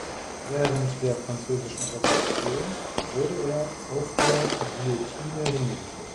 Während der Französischen Revolution wurde er auf der Guillotine hingerichtet.